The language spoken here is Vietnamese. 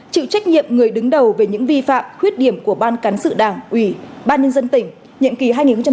chịu trách nhiệm người đứng đầu về những vi phạm khuyết điểm của ban cán sự đảng ủy ban nhân dân tỉnh nhiệm kỳ hai nghìn một mươi sáu hai nghìn một mươi một